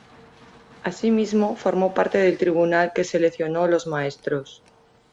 Asimismo, formó parte del tribunal que seleccionó los maestros.